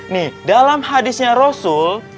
nih dalam hadisnya rasul